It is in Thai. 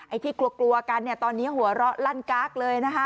ที่กลัวกันเนี่ยตอนนี้หัวเราะลั่นกั๊กเลยนะคะ